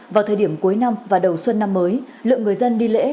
vào thời điểm cuối năm và đầu xuân năm mới lượng người dân đi lễ